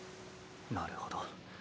なるほど。